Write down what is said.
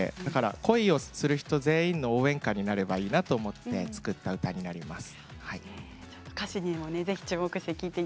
恋をする人全員の応援歌になればいいなと思って作りました。